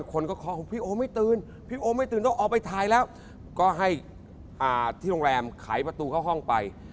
เข้าไปถ่ายแล้วก็ให้ที่โรงแรมไขประตูเข้าห้องไป